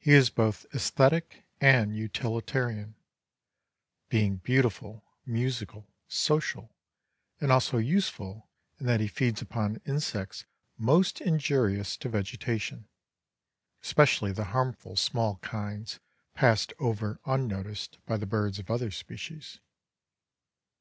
He is both esthetic and utilitarian, being beautiful, musical, social and also useful in that he feeds upon insects most injurious to vegetation; especially the harmful small kinds passed over unnoticed by the birds of other species.